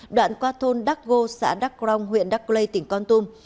đoạn qua thôn đắk gô xã đắk grong huyện đắk lê tỉnh con tum